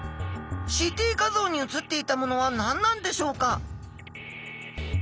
ＣＴ画像に写っていたものは何なんでしょうか？